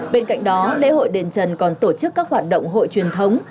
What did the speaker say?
bên cạnh đó lễ hội đền trần còn tổ chức các hoạt động hội truyền thống